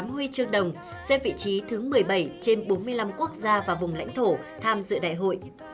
tám huy chương đồng xếp vị trí thứ một mươi bảy trên bốn mươi năm quốc gia và vùng lãnh thổ tham dự đại hội